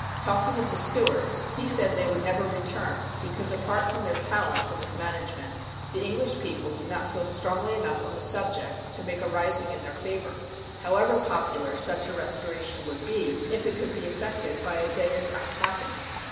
Talking of the Stuarts, he said they would never return, because, apart from their talent for mis management, the English people did not feel strongly enough on the subject to make a rising in their favor, however popular such a restoration would be if it could 103 RUSSIA be effected by a Deus ex machina.